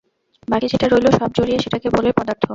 বাকি যেটা রইল সব-জড়িয়ে সেটাকে বলে পদার্থ।